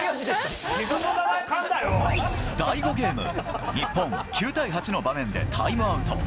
第５ゲーム、日本９対８の場面でタイムアウト。